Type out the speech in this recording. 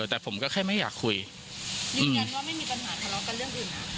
แต่ผมก็แค่ไม่อยากคุยยืนยันว่าไม่มีปัญหาทะเลาะกันเรื่องอื่นนะ